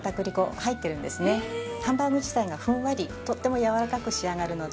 ハンバーグ自体がふんわりとっても軟らかく仕上がるので。